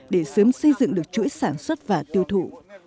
để sớm xây dựng được chuỗi sản xuất và tiêu thụ